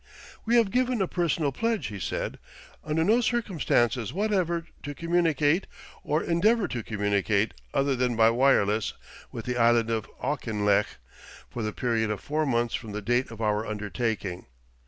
"We have given a personal pledge," he said, "under no circumstances whatever to communicate or endeavour to communicate other than by wireless with the island of Auchinlech for the period of four months from the date of our undertaking.